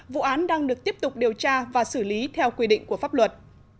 vụ án đang được tiếp tục điều tra và xử lý theo quy định của pháp luật